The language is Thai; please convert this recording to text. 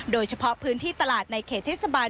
โดยเฉพาะพื้นที่ตลาดในเขตเทศบาล